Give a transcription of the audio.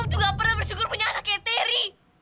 om tuh nggak pernah bersyukur punya anak kayak terry